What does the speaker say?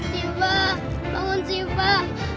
sifah bangun sifah